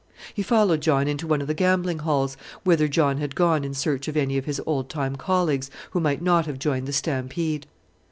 He followed John into one of the gambling halls, whither John had gone in search of any of his old time colleagues who might not have joined the stampede.